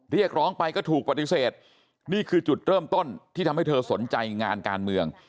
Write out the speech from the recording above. เรียกร้องไปก็ถูกปฏิเสธนี่คือจุดเริ่มต้นที่ทำให้เธอสนใจงานการเมือง